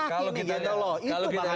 kalau kita lihat bukan rakyat